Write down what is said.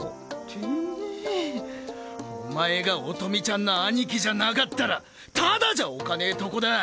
てめぇお前が音美ちゃんの兄貴じゃなかったらタダじゃおかねぇとこだ。